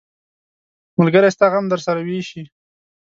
ملګری ستا غم درسره ویشي.